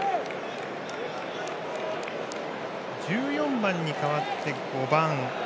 １４番に代わって、５番。